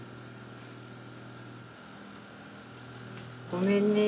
ごめんね。